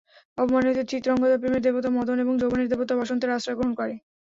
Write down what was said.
অপমানিত চিত্রাঙ্গদা প্রেমের দেবতা মদন এবং যৌবনের দেবতা বসন্তের আশ্রয় গ্রহণ করে।